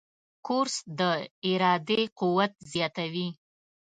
کورس د ارادې قوت زیاتوي.